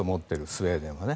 スウェーデンはね。